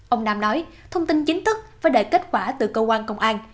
ông nam nói thông tin chính thức và đại kết quả từ cơ quan công an